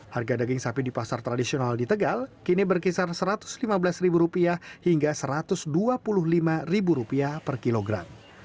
harga daging sapi di pasar tradisional di tegal kini berkisar rp satu ratus lima belas hingga rp satu ratus dua puluh lima per kilogram